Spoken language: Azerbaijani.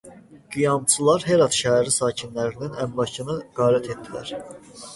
Qiyamçılar Herat şəhəri sakinlərinin əmlakını qarət etdilər.